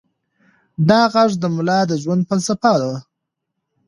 دا غږ د ملا د ژوند فلسفه وه.